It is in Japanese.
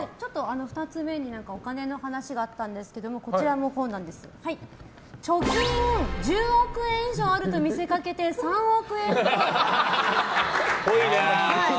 ２つ目にお金の話があったんですけど貯金１０億円以上あると見せかけて３億円っぽい。